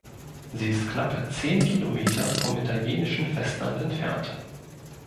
Sie ist knapp zehn Kilometer vom italienischen Festland entfernt.